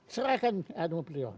serahkan ke beliau